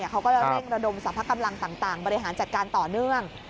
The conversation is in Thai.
เขาก็จะเร่งระดมสรรพกำลังต่างบริหารจัดการต่อเนื่อง